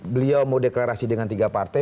beliau mau deklarasi dengan tiga partai